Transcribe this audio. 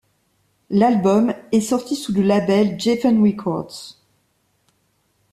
L'album est sorti le sous le label Geffen Records.